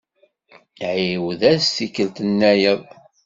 Ɛiwed-as tikkelt-nnayeḍ.